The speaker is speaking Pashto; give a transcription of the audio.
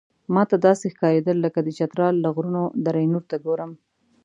ماته داسې ښکارېدل لکه د چترال له غرونو دره نور ته ګورم.